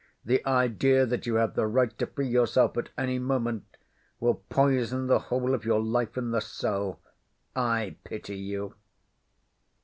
The idea that you have the right to free yourself at any moment will poison the whole of your life in the cell. I pity you."